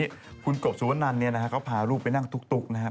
วันนี้คุณกบสุวนันเนี่ยนะฮะเขาพาลูกไปนั่งตุ๊กนะครับ